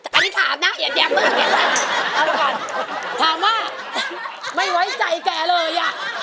อันนี้ถามนะอย่าเปลี่ยน